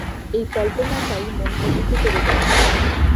এই কল্পনাটাই মনকে উঁচু করে দেয়।